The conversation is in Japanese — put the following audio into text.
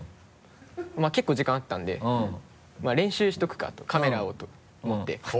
結構時間あったんで練習しとくかとカメラをと思って。